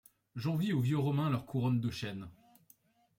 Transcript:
J'envie aux vieux romains leurs couronnes de chêne ;